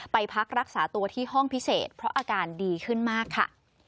พักรักษาตัวที่ห้องพิเศษเพราะอาการดีขึ้นมากค่ะ